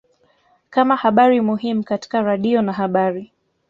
kama habari muhimu katika radio na habari